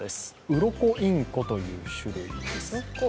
ウロコインコという酒類です。